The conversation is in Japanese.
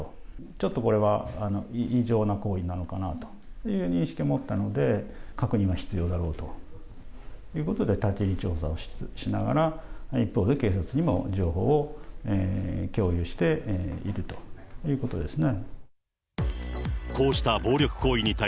ちょっとこれは異常な行為なのかなという認識を持ったので、確認は必要だろうということで、立ち入り調査をしながら、一方で警察にも情報を共有しているということですね。